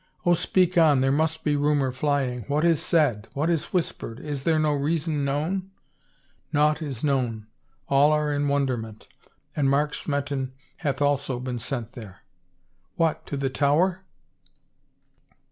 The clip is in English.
Oh, speak on. There must be rumor flying. What is said — what is whispered? Is there no reason known?" Naught is known. All are in wonderment. And Mark Smeton hath also been sent there." "What, to the Tower?